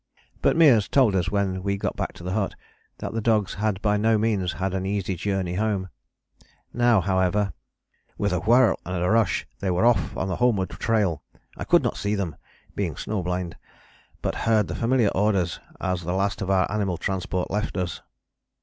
But Meares told us when we got back to the hut that the dogs had by no means had an easy journey home. Now, however, "with a whirl and a rush they were off on the homeward trail. I could not see them (being snow blind), but heard the familiar orders as the last of our animal transport left us."